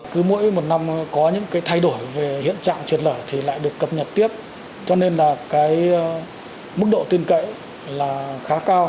cứ mỗi một năm có những cái thay đổi về hiện trạng trượt lở thì lại được cập nhật tiếp cho nên là cái mức độ tin cậy là khá cao